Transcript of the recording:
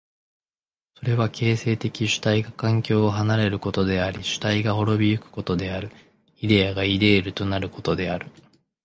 それは形成的主体が環境を離れることであり主体が亡び行くことである、イデヤがイデールとなることである。